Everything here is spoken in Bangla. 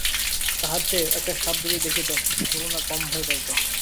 তাহার চেয়ে একটা সাপ যদি দেখিত করুণা কম ভয় পাইত।